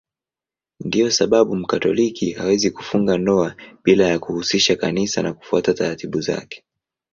Ndiyo sababu Mkatoliki hawezi kufunga ndoa bila ya kuhusisha Kanisa na kufuata taratibu zake.